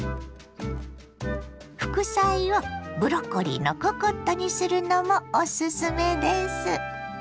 副菜をブロッコリーのココットにするのもおすすめです。